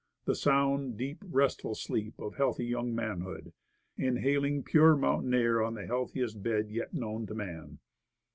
The sound, deep, restful sleep of healthy young manhood, inhaling pure mountain air on the healthiest bed yet known to man.